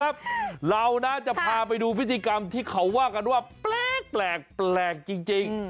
ครับเรานะจะพาไปดูพิธีกรรมที่เขาว่ากันว่าแปลกจริง